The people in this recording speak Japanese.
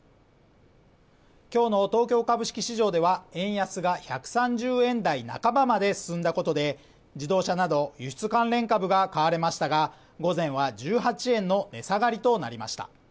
今日の東京株式市場では円安が１３０円台半ばまで進んだことで自動車など輸出関連株が買われましたが、午前は１８円の値下がりとなりました。